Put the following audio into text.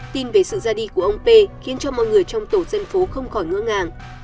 tin về sự ra đi của ông p khiến cho mọi người trong tổ dân phố không khỏi ngỡ ngàng